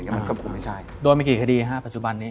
อย่างงี้มันก็คงไม่ใช่โดยมีกี่คดีฮะปัจจุบันนี้